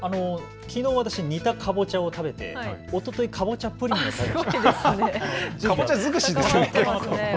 きのう私、煮たかぼちゃを食べて、おとといかぼちゃプリンを食べて。